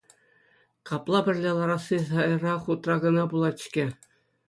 Капла пӗрле ларасси сайра хутра кӑна пулать-ҫке.